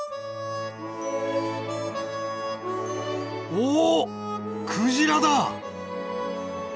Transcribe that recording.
おクジラだ！